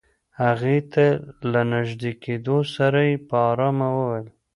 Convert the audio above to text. هغې ته له نژدې کېدو سره يې په آرامه وويل.